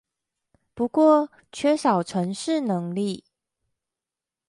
不過缺少程式能力